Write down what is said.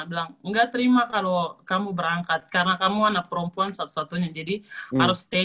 bilang enggak terima kalau kamu berangkat karena kamu anak perempuan satu satunya jadi harus stay